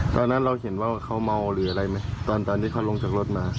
ตอนนั้นเราเห็นว่าเขาเมาหรืออะไรไหมตอนที่เขาลงจากรถมา